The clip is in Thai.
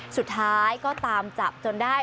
สุดท้ายก็ตามจับจนได้